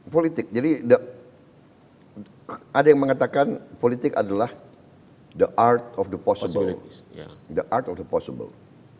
politik jadi ada yang mengatakan politik adalah the art of the possible